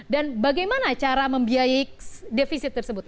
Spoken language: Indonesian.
dan bagaimana cara membiayai defisit tersebut